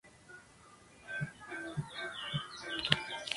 Frecuentemente se junta a bandada mixtas de alimentación de otras aves insectívoras.